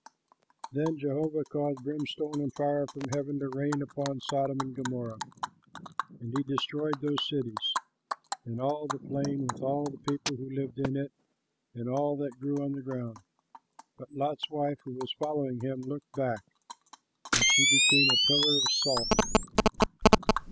Then Jehovah caused brimstone and fire from heaven to rain upon Sodom and Gomorrah, and he destroyed those cities and all the plain, with all the people who lived in it and all that grew on the ground. But Lot's wife, who was following him, looked back, and she became a pillar of salt.